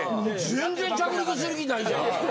全然着陸する気ないじゃん。